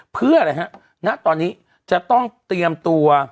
เพื่ออะไรฮะณตอนนี้จะต้องเตรียมตัว